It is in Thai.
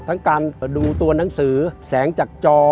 ทั้งการดูตัวหนังสือแสงจากจอ